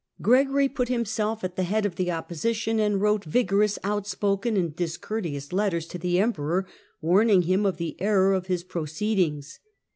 Gregory put himself at he head of the opposition, and wrote vigorous, outspoken nd discourteous letters to the Emperor, warning him of he error of his proceedings.